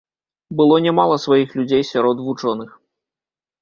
Было нямала сваіх людзей сярод вучоных.